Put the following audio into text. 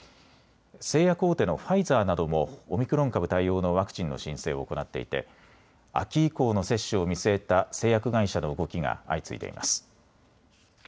製薬大手のファイザーなどもオミクロン株対応のワクチンの申請を行っていて秋以降の接種を見据えた製薬会社の動きが相次いでいます。